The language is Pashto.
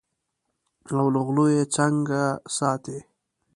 او له غلو یې څنګه ساتې.